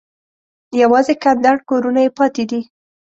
یوازې کنډر کورونه یې پاتې دي.